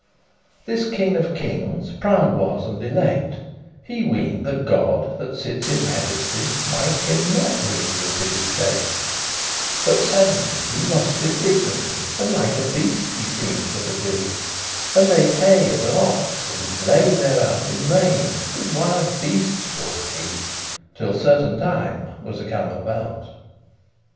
This king of kinges proud was and elate;* *lofty He ween'd* that God, that sits in majesty, *thought Mighte him not bereave of his estate; But suddenly he lost his dignity, And like a beast he seemed for to be, And ate hay as an ox, and lay thereout In rain, with wilde beastes walked he, Till certain time was y come about.